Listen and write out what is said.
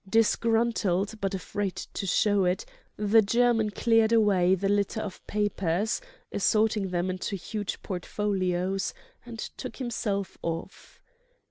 Disgruntled, but afraid to show it, the German cleared away the litter of papers, assorting them into huge portfolios, and took himself off.